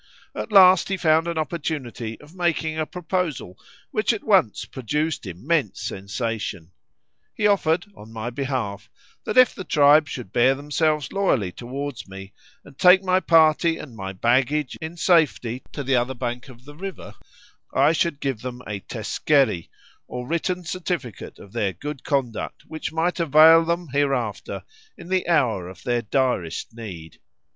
At last he found an opportunity of making a proposal, which at once produced immense sensation; he offered, on my behalf, that if the tribe should bear themselves loyally towards me, and take my party and my baggage in safety to the other bank of the river, I should give them a teskeri, or written certificate of their good conduct, which might avail them hereafter in the hour of their direst need.